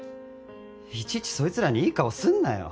いちいちそいつらにいい顔すんなよ。